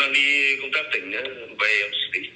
đang đi công tác tỉnh nhá về em xíu tỉnh